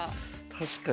確かにね。